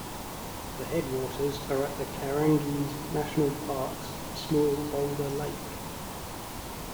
The headwaters are at the Kahurangi National Park's small Boulder Lake.